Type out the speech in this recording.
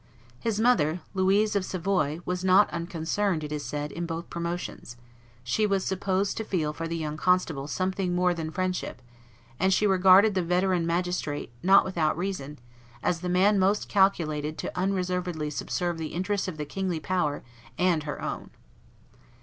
His mother, Louise of Savoy, was not unconcerned, it is said, in both promotions; she was supposed to feel for the young constable something more than friendship, and she regarded the veteran magistrate, not without reason, as the man most calculated to unreservedly subserve the interests of the kingly power and her own.